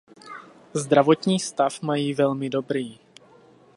Zdravotní stav mají velmi dobrý.